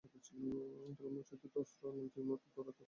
তখন মুক্তিযোদ্ধারা অস্ত্র উঁচু করে রীতিমতো দৌড়াতে থাকেন।